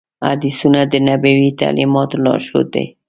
حدیثونه د نبوي تعلیماتو لارښود دي.